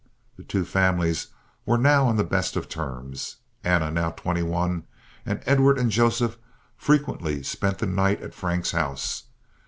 The two families were now on the best of terms. Anna, now twenty one, and Edward and Joseph frequently spent the night at Frank's house.